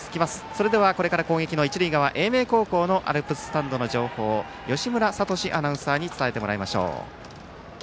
それではこれから攻撃一塁側英明高校のアルプススタンドの情報を義村聡志アナウンサーに伝えてもらいましょう。